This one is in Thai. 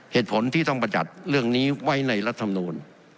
เหตุผลที่ต้องประจัดเรื่องนี้ไว้ในรัฐมนูล